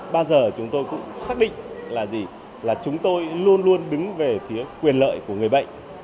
bao giờ chúng tôi cũng xác định là gì là chúng tôi luôn luôn đứng về phía quyền lợi của người bệnh